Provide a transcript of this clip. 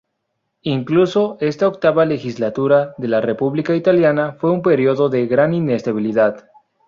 Incluso esta octava legislatura de la República Italiana fue un período de gran inestabilidad.